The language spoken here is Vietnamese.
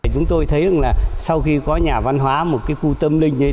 chúng tôi thấy là sau khi có nhà văn hóa một cái khu tâm linh ấy